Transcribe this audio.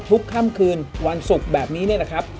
ทุกค่ำคืนวันศุกร์แบบนี้นะครับ